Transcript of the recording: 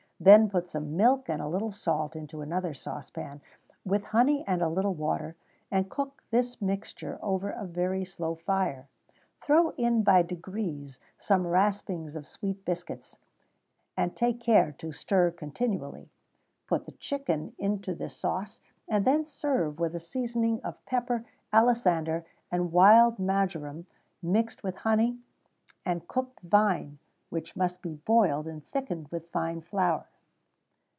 Then put some milk and a little salt into another saucepan, with honey and a little water, and cook this mixture over a very slow fire. Throw in by degrees some raspings of sweet biscuits, and take care to stir continually. Put the chicken into this sauce, and then serve with a seasoning of pepper, alisander, and wild marjoram, mixed with honey and cooked vine, which must be boiled and thickened with fine flour.